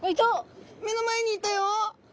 目の前にいたよ！